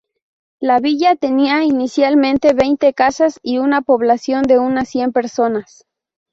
La villa tenía inicialmente veinte casas y una población de unas cien personas.